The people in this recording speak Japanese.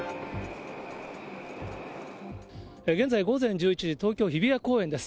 現在午前１１時、東京・日比谷公園です。